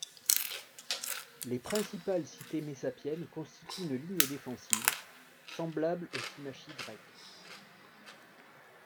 Les principales cités messapiennes constituent une ligue défensive, semblable aux symmachies grecques.